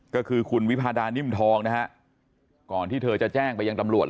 ก็คือคุณวิพาดานิ่มทองนะฮะก่อนที่เธอจะแจ้งไปยังตำรวจ